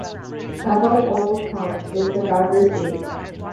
Avon Old Farms is in the Founders League.